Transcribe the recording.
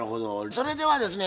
それではですね